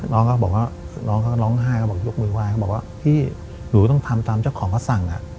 น้องก็บอกว่าน้องเขาร้องไห้เขาบอกยกมือไห้เขาบอกว่าพี่หนูต้องทำตามเจ้าของเขาสั่ง